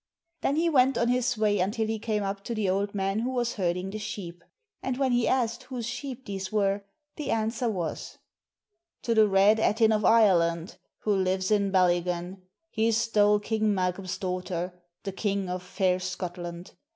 Then he went on his way until he came up to the old man who was herding the sheep ; and when he asked whose sheep these were, the answer was : "To the Red Ettin of Ireland Who lives in Ballygan, He stole King Malcolm's daughter. The king of fair Scotland.